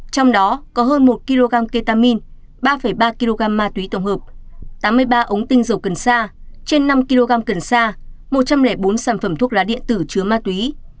trong đó có hơn một kg ketamine ba ba kg ma túy tổng hợp tám mươi ba ống tinh dầu cần sa trên năm kg cần sa một trăm linh bốn sản phẩm thuốc lá điện tử chứa ma túy